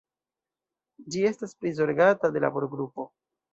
Ĝi estas prizorgata de laborgrupo.